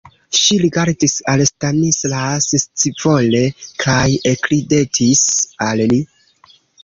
Ŝi rigardis al Stanislas scivole kaj ekridetis al li.